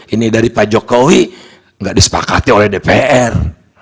ini dari pak jokowi nggak disepakati oleh dpr